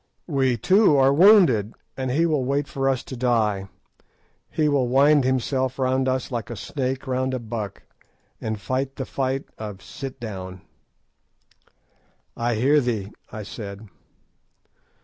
We too are wounded, and he will wait for us to die; he will wind himself round us like a snake round a buck, and fight the fight of 'sit down.'" "I hear thee," I said.